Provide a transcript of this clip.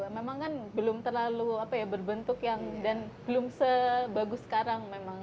memang kan belum terlalu apa ya berbentuk yang dan belum sebagus sekarang memang